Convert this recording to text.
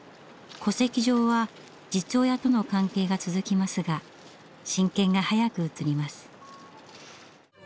戸籍上は実親との関係が続きますが親権が早く移ります。